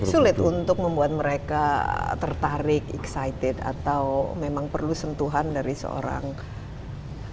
sulit untuk membuat mereka tertarik excited atau memang perlu sentuhan dari seorang pengusaha